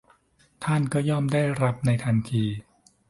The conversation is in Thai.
ท่านก็ย่อมได้รับในทันที